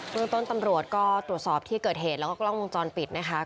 เมืองต้นตำรวจก็ตรวจสอบที่เกิดเหตุแล้วก็กล้องวงจรปิดนะคะ